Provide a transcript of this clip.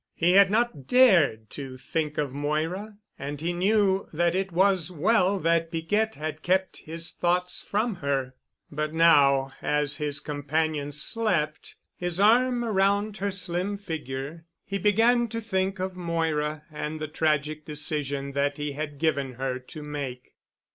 He had not dared to think of Moira and he knew that it was well that Piquette had kept his thoughts from her. But now as his companion slept, his arm around her slim figure, he began to think of Moira and the tragic decision that he had given her to make.